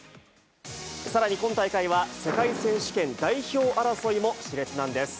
さらに今大会は世界選手権代表争いもしれつなんです。